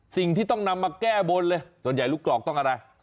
สิ่งที่ต้องนำมาแก้บนเลยส่วนใหญ่ลูกกรอกต้องอะไร